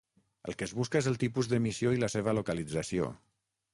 El que es busca és el tipus d'emissió i la seva localització.